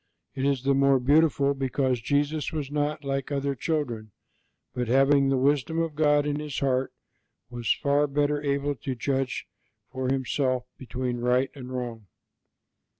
It is the more beautiful because Jesus was not like other children, but, having the wisdom of God in His heart, was far better able to judge for Himself between right and wrong.